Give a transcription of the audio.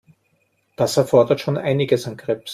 Das erfordert schon einiges an Grips.